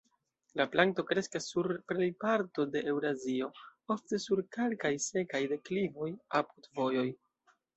La planto kreskas sur plejparto de Eŭrazio, ofte sur kalkaj, sekaj deklivoj, apud vojoj.